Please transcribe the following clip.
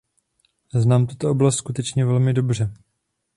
Znám tuto oblast skutečně velmi dobře.